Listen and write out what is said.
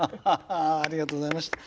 ありがとうございます。